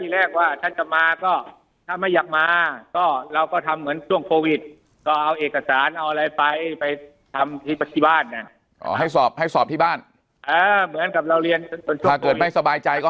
เราคุยกันแล้วทีแรกว่าท่านจะมาก็